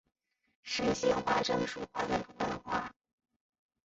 是县花樟树花的图案化。